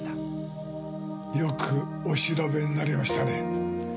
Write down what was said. よくお調べになりましたね。